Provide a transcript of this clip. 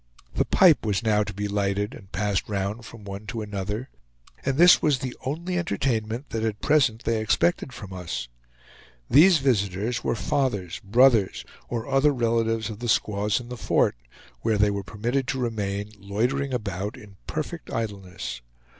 The pipe was now to be lighted and passed round from one to another; and this was the only entertainment that at present they expected from us. These visitors were fathers, brothers, or other relatives of the squaws in the fort, where they were permitted to remain, loitering about in perfect idleness.